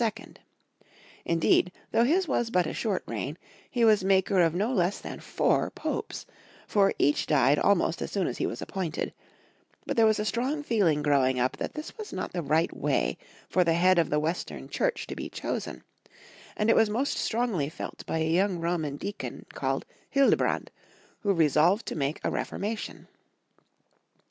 In deed, though liis was but a short reign, he was the maker of no less than four Popes, for each died almost as soon as he was appointed ; but there was a strong feeling growing up that this was not the right way for the head of the Western Church to be chosen, and it was most strongly felt by a young Roman deacon called Hildebrand, who resolved to make a reformation.